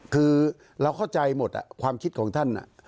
คือเราเข้าใจหมดความคิดของท่าน